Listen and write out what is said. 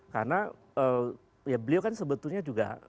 karena beliau kan sebetulnya juga